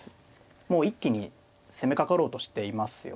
もう一気に攻めかかろうとしていますよね。